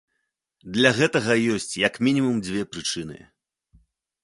Для гэтага ёсць як мінімум дзве прычыны.